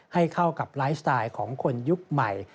ให้เข้ากับไลฟ์สไตล์ของคนยุคใหม่